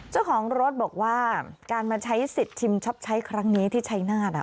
เจ้าของรถบอกว่าการมาใช้สิทธิ์ชิมช็อปใช้ครั้งนี้ที่ชัยนาธ